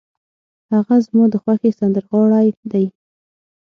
هغه زما د خوښې سندرغاړی دی.